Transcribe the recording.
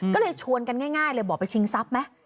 ก็เลยชวนกันง่ายเลยบอกไปชิงทรัพย์ไหม